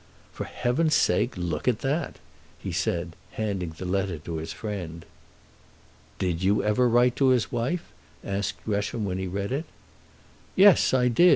"For heaven's sake, look at that!" he said, handing the letter to his friend. "Did you ever write to his wife?" asked Gresham, when he read it. "Yes; I did.